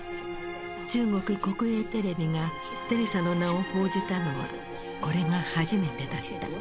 中国国営テレビがテレサの名を報じたのはこれが初めてだった。